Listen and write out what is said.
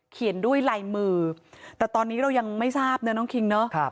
เขียนด้วยลายมือแต่ตอนนี้เรายังไม่ทราบนะน้องคิงเนอะ